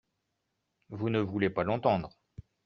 Vous ne voulez pas l’entendre.